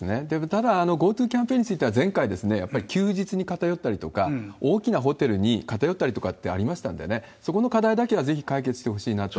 ただ、ＧｏＴｏキャンペーンについては、前回、やっぱり休日に偏ったりとか、大きなホテルに偏ったりとかってありましたんでね、そこの課題だけはぜひ解決してほしいなと。